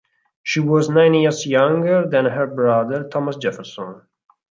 She was nine years younger than her brother Thomas Jefferson.